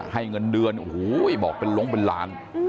ให้เงินเดือนบอกเป็นล้องเป็นล้าน